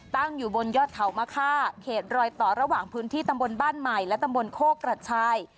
ตั้งอยู่บนยอดเขามะค่าเขตรอยต่อระหว่างพื้นที่ตำบลบ้านใหม่และตำบลโคกกระชาย